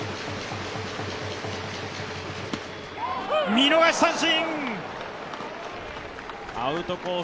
見逃し三振！